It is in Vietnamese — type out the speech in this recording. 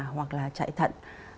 hoặc là chạy thận